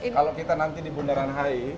kalau kita nanti di bundaran hi